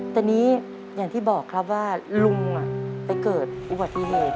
แต่นี้อย่างที่บอกครับว่าลุงไปเกิดอุบัติเหตุ